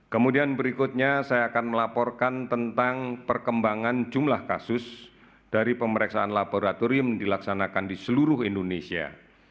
kemudian berikutnya saya akan melaporkan tentang perkembangan jumlah kasus dari pemeriksaan laboratorium dilaksanakan di seluruh indonesia